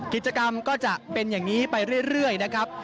กิจกรรมก็จะเป็นอย่างนี้ไปเรื่อยนะครับ